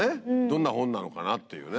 どんな本なのかなっていうね。